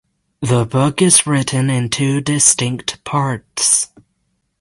The book is written in two distinct parts.